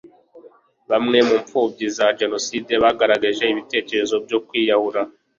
bamwe mu imfubyi za jenoside bagaragaje ibitekerezo byo kwiyahura